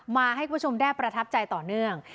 มาให้คุณผู้ชมได้ประทับใจต่อเนื่อง